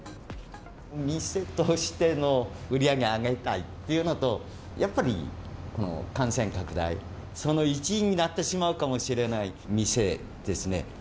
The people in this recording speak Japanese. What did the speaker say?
店としての売り上げ上げたいっていうのと、やっぱり感染拡大、その一因になってしまうかもしれない店ですね。